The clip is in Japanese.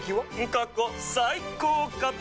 過去最高かと。